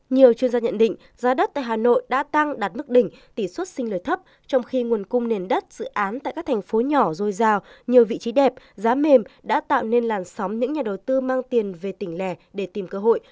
nhiều chuyên gia nhận định giá đất tại hà nội đã tăng đạt mức đỉnh tỷ suất sinh lời thấp trong khi nguồn cung nền đất dự án tại các thành phố nhỏ dồi dào nhiều vị trí đẹp giá mềm đã tạo nên làn sóng những nhà đầu tư mang tiền về tỉnh lẻ để tìm cơ hội